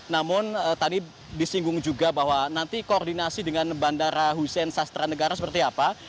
namun tadi disinggung juga bahwa nanti koordinasi dengan bandara hussein sastra negara seperti apa